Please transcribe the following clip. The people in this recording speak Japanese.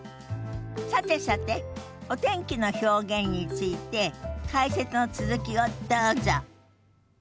さてさてお天気の表現について解説の続きをどうぞ。